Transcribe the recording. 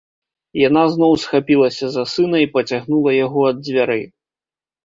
Яна зноў схапілася за сына і пацягнула яго ад дзвярэй.